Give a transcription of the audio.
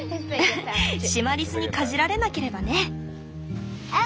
シマリスにかじられなければね。